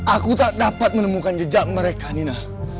aku tak dapat menemukan jejak mereka nina